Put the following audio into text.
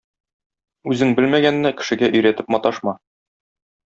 Үзең белмәгәнне кешегә өйрәтеп маташма.